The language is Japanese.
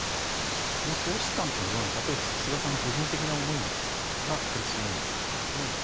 喪失感というのは菅さんの個人的な思いがやっぱり強いんでしょうか。